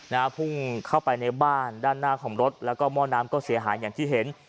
นะฮะพุ่งเข้าไปในบ้านด้านหน้าของรถแล้วก็หม้อน้ำก็เสียหายอย่างที่เห็น